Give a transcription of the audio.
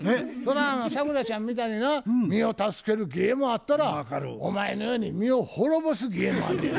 サクラちゃんみたいにな身を助ける芸もあったらお前のように身を滅ぼす芸もあんねや。